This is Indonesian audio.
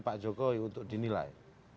pak jokowi untuk dinilai